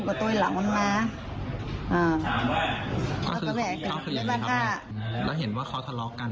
เขาก็มีรักชีวิตกันเย็น